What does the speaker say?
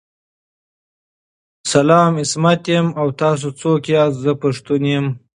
سلام عصمت یم او تاسو څوک ياست ذه پښتون یم